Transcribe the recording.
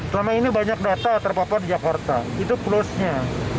selama ini banyak data terpapar di jakarta itu closenya